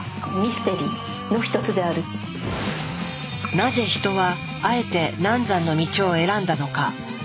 なぜヒトはあえて難産の道を選んだのか。